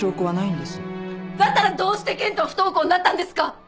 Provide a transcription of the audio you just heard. だったらどうして研人は不登校になったんですか！